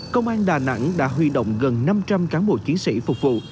công an đà nẵng đã huy động gần năm trăm linh cán bộ chiến sĩ phục vụ